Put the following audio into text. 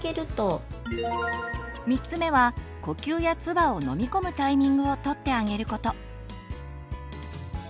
３つ目は呼吸やつばを飲み込むタイミングをとってあげること。